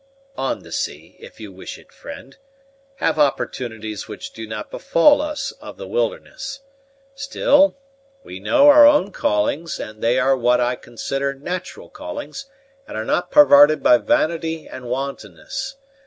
"On the sea, if you wish it, friend have opportunities which do not befall us of the wilderness. Still, we know our own callings, and they are what I consider natural callings, and are not parvarted by vanity and wantonness.